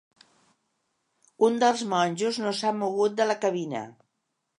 Un dels monjos no s'ha mogut de la cabina.